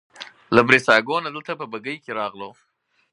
له بریساګو نه دلته په بګۍ کې راغلو.